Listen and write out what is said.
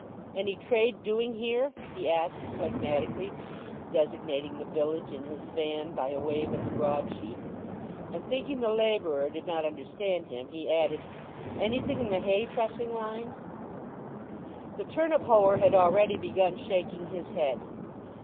"Any trade doing here?" he asked phlegmatically, designating the village in his van by a wave of the broadsheet. And thinking the labourer did not understand him, he added, "Anything in the hay trussing line?" The turnip hoer had already begun shaking his head.